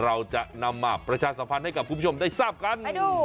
เราจะนำมาประชาสัมพันธ์ให้กับคุณผู้ชมได้ทราบกัน